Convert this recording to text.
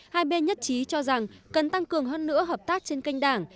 hai bên nhất trí cho rằng cần tăng cường hơn nữa hợp tác trên kênh đảng